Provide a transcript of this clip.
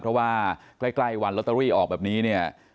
เพราะว่าใกล้วันลอตเตอรี่ออกแบบนี้เนี่ย